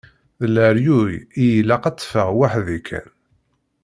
D leryuy i ilaq ad ṭṭfeɣ weḥd-i kan.